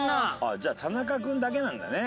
じゃあ田中君だけなんだね。